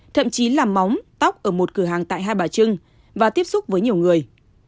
thậm chí làm móng tóc ở một cửa hàng tại hai bà trưng và tiếp xúc với nhiều người